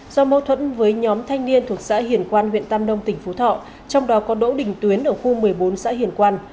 do mâu thuẫn với nhóm thanh niên thuộc xã hiển quang huyện tam nông tỉnh phú thọ trong đó có đỗ đỉnh tuyến ở khu một mươi bốn xã hiển quang